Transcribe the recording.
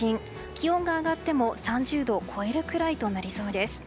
気温が上がっても、３０度を超えるくらいとなりそうです。